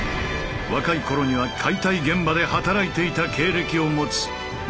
若い頃には解体現場で働いていた経歴を持つ魔裟斗。